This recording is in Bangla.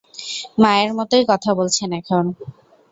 মায়ের মতোই কথা বলছেন এখন!